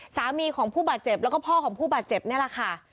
สามีของผู้บาดเจ็บแล้วก็พ่อของผู้บาดเจ็บนี่แหละค่ะ